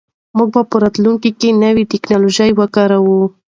موږ به په راتلونکي کې نوې ټیکنالوژي وکاروو.